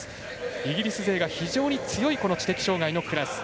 イギリス勢が非常に強い知的障がいのクラス。